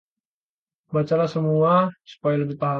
bacalah semula supaya lebih paham